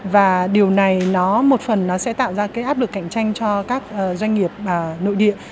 và điều này một phần sẽ tạo ra áp lực cạnh tranh cho các doanh nghiệp nội địa